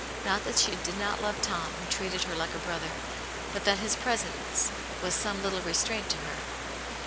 Not that she did not love Tom, who treated her like a brother, but that his presence was some little restraint to her.